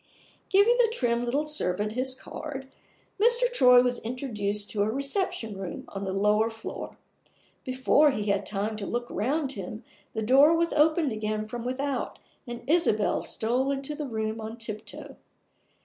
Giving the trim little servant his card, Mr. Troy was introduced to a reception room on the lower floor. Before he had time to look round him the door was opened again from without, and Isabel stole into the room on tiptoe.